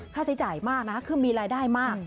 ใช้จ่ายมากนะคือมีรายได้มาก